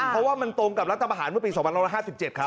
เพราะว่ามันตรงกับรัฐประหารเมื่อปี๒๕๕๗ครับ